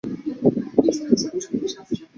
疏受为太子太傅疏广之侄。